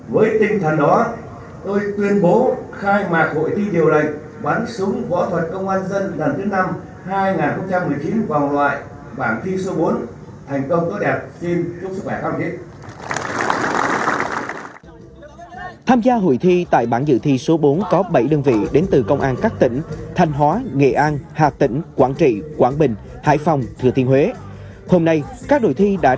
với tinh thần đó tôi tuyên bố khai mạc hội thi điều lệnh bắn súng võ thuật công an dân lần thứ năm hai nghìn một mươi chín vòng loại bản thi số bốn